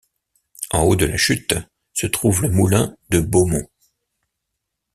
En haut de la chute se trouve le moulin de Beaumont.